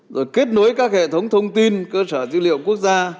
rồi kết nối các hệ thống thông tin cơ sở dữ liệu quốc gia